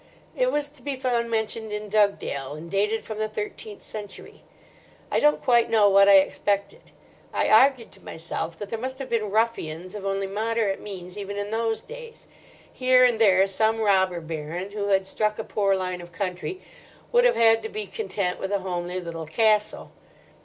It was to be found mentioned in Dugdale, and dated from the thirteenth century. I don't quite know what I expected. I argued to myself that there must have been ruffians of only moderate means even in those days. Here and there some robber baron who had struck a poor line of country would have had to be content with a homely little castle.